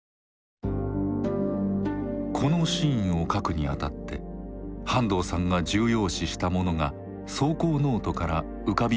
このシーンを書くにあたって半藤さんが重要視したものが草稿ノートから浮かび上がってきました。